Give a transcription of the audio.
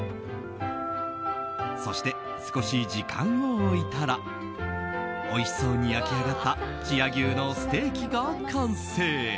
そして少し時間を置いたらおいしそうに焼き上がった千屋牛のステーキが完成。